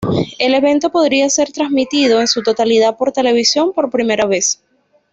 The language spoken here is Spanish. El evento podría ser transmitido en su totalidad por televisión por primera vez.